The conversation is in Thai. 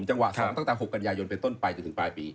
จังหวะ๒ตั้งแต่๖กันยายนเป็นต้นไปจนถึงปลายปี